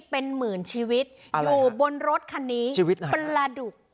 เป็นหมื่นชีวิตอะไรอยู่บนรถคันนี้ชีวิตไหนประดูกอ๋อ